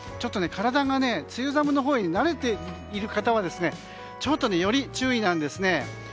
体が梅雨寒のほうに慣れている方はちょっと、より注意なんですね。